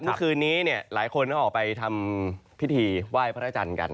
ทุกช่วงนี้หลายคนออกไปทำพิธีว่ายพระราชาญกัน